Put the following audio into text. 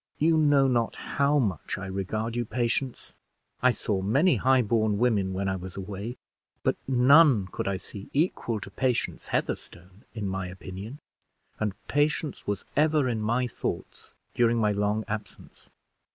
"You know not how much I regard you, Patience. I saw many highborn women when I was away, but none could I see equal to Patience Heatherstone, in my opinion; and Patience was ever in my thoughts during my long absence."